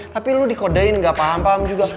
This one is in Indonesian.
tapi lu dikodein gak paham paham juga